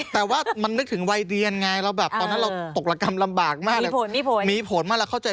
สวัสดียัง๒ท่านค่ะ